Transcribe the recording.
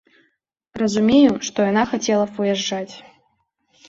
Разумею, што яна хацела б выязджаць.